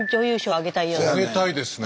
あげたいですね。